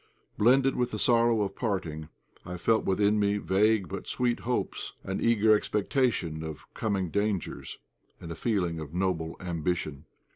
Blended with the sorrow of parting, I felt within me vague, but sweet, hopes, an eager expectation of coming dangers, and a feeling of noble ambition.